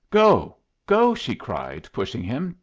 "Go! go!" she cried, pushing him.